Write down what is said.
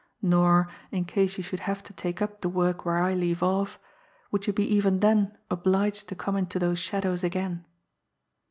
Nor, in case you should have to take up the work where I leave off, would you be even then obliged to come into those shadows again.